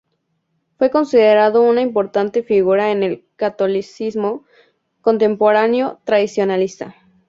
Fue considerado una importante figura en el catolicismo contemporáneo tradicionalista.